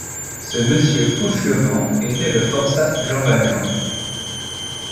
Ce Monsieur Fauchelevent était le forçat Jean Valjean.